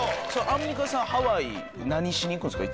アンミカさんハワイ何しに行くんですか？